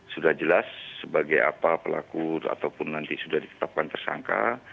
sudah jelas sebagai apa pelaku ataupun nanti sudah ditetapkan tersangka